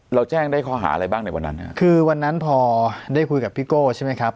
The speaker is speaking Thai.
เราแจ้งได้ข้อหาอะไรบ้างในวันนั้นคือวันนั้นพอได้คุยกับพี่โก้ใช่ไหมครับ